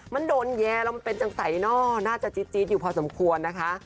มันโดนแย่แล้วมันเป็นจังใสเนอะน่าจะจี๊ดอยู่พอสมควรนะคะ